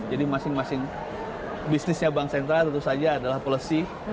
jadi masing masing bisnisnya bank sentral tentu saja adalah polisi